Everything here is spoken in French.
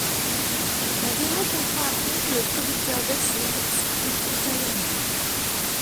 La démo comprend un pont que le producteur Butch Vig supprime ultérieurement.